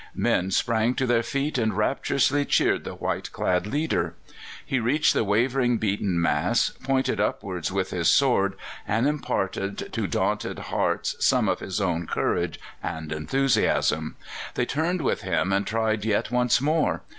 Men sprang to their feet and rapturously cheered the white clad leader. He reached the wavering beaten mass, pointed upwards with his sword, and imparted to daunted hearts some of his own courage and enthusiasm. They turned with him and tried yet once more.